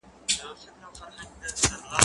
زه پرون ليکلي پاڼي ترتيب کړل!.